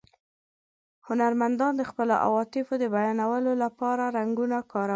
هنرمندانو د خپلو عواطفو د بیانولو له پاره رنګونه کارول.